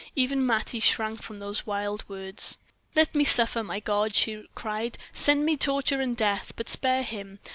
Even Mattie shrank from those wild words. "Let me suffer, my God!" she cried; "send me torture and death, but spare him!